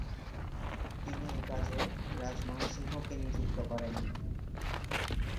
তিনি এ কাজে রাজ মান সিংহকে নিযুক্ত করেন।